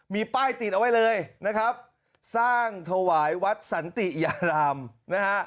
มีป้ายติดเอาไว้เลยนะครับสร้างถวายวัดสันติยารามนะฮะ